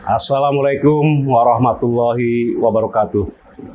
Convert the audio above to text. assalamu alaikum warahmatullahi wabarakatuh